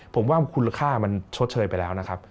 ผมว่าคุณค่ามันชดเชยไปแล้วนะครับ